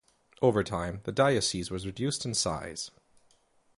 Over time, the diocese was reduced in size.